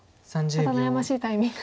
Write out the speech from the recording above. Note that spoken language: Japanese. また悩ましいタイミングで。